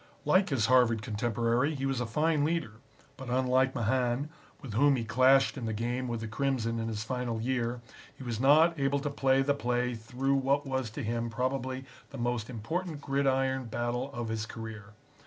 Like his Harvard contemporary, he was a fine leader, but unlike Mahan, with whom he clashed in the game with the Crimson in his final year, he was not able to play the play through what was to him probably the most important gridiron battle of his career.